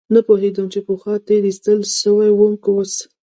نه پوهېدم چې پخوا تېر ايستل سوى وم که اوس.